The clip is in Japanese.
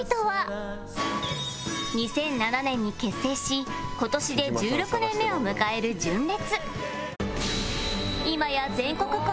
２００７年に結成し今年で１６年目を迎える純烈